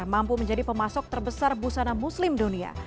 mampu menjadi pemasok terbesar busana muslim dunia